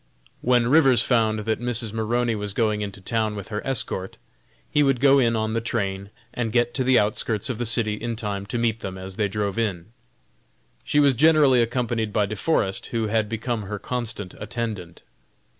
When Rivers found that Mrs. Maroney was going into town with her escort, he would go in on the train and get to the outskirts of the city in time to meet them as they drove in. She was generally accompanied by De Forest, who had become her constant attendant.